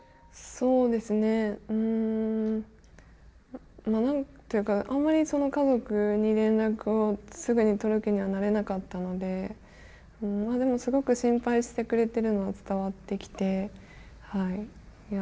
そうですね。何と言うかあんまり家族に連絡をすぐに取る気にはなれなかったのでまあでもすごく心配してくれてるのが伝わってきてはい。